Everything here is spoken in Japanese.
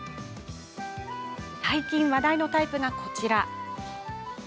最近話題のタイプがこちらです。